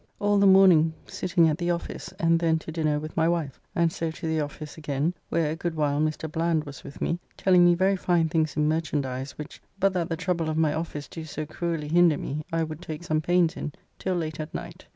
All the morning sitting at the office, and then to dinner with my wife, and so to the office again (where a good while Mr. Bland was with me, telling me very fine things in merchandize, which, but that the trouble of my office do so cruelly hinder me, I would take some pains in) till late at night.